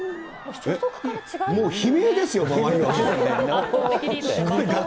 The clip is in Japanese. もう悲鳴ですよ、周りは。